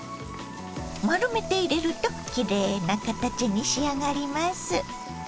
丸めて入れるときれいな形に仕上がります。